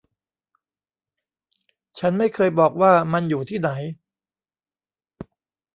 ฉันไม่เคยบอกว่ามันอยู่ที่ไหน